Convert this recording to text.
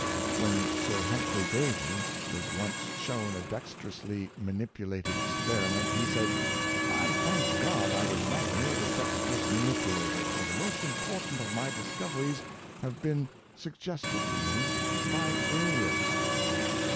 *" When Sir Humphrey Davy was once shown a dexterously manipulated experiment, he said —'^ I thank God I was not made a dexterous manipulator, for the most important of my discoveries have been suggested to me by failures.''